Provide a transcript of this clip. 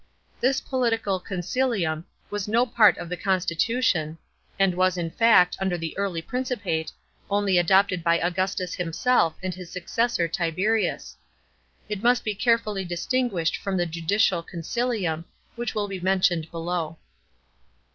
This political consilium was no part of the constitution, and was in fact, under the early Principate, only adopted by Augustus himself and his successor Tiberius. It must be carefully distinguished from the judicial consilium, which will be mentioned below.